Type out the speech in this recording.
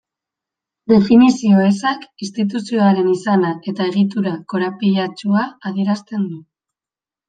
Definizio ezak instituzioaren izana eta egitura korapilatsua adierazten du.